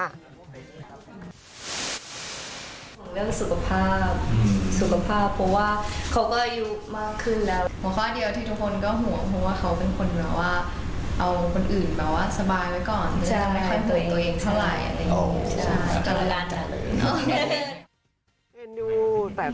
ห่วงเรื่องสุขภาพ